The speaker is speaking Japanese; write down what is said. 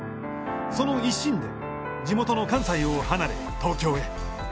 その一心で地元の関西を離れ東京へ。